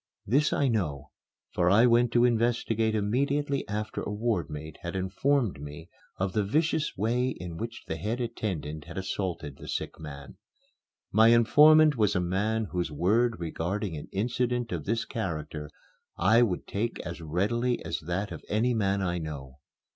This I know, for I went to investigate immediately after a ward mate had informed me of the vicious way in which the head attendant had assaulted the sick man. My informant was a man whose word regarding an incident of this character I would take as readily as that of any man I know.